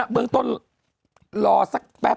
เมืองต้นรอสักแป๊บ